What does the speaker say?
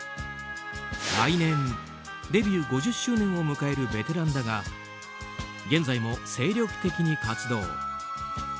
来年、デビュー５０周年を迎えるベテランだが現在も精力的に活動。